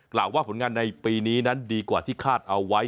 กล่าวว่าผลงานในปีนี้นั้นดีกว่าที่คาดเอาไว้